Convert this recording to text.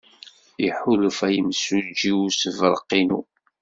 Iḥulfa yimsujji i ussebreq-inu.